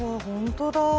ほんとだ。